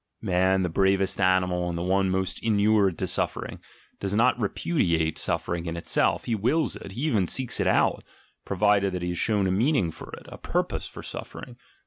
Man, the bravest animal and the one most in ured to suffering, does not repudiate suffering in itself: he wills it, he even seeks it out, provided that he is shown a meaning for it, a purpose of suffering.